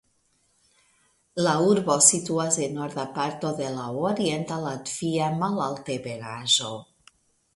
La urbo situas en norda parto de la Orienta Latvia malaltebenaĵo.